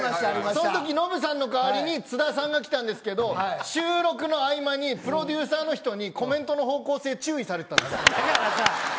そのとき、ノブさんの代わりに津田さんが来たんですけど収録の合間にプロデューサーの人にコメントの方向性注意されていたんですよ。